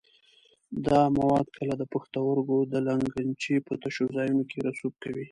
دا مواد کله د پښتورګو د لګنچې په تشو ځایونو کې رسوب کوي.